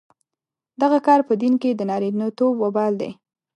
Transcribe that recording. دغه کار په دین کې د نارینتوب وبال دی.